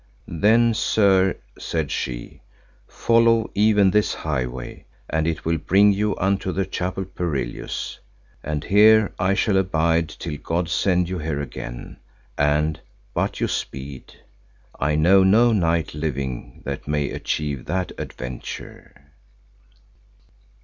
Then, sir, said she, follow even this highway, and it will bring you unto the Chapel Perilous; and here I shall abide till God send you here again, and, but you speed, I know no knight living that may achieve that adventure.